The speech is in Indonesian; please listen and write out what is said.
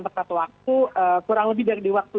tepat waktu kurang lebih dari waktu